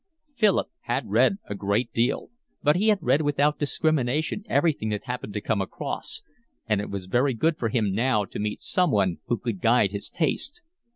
Philip had read a great deal, but he had read without discrimination everything that he happened to come across, and it was very good for him now to meet someone who could guide his taste.